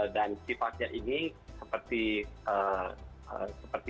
dan sifatnya ini seperti perut